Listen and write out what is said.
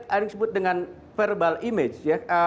saya sebut dengan verbal image ya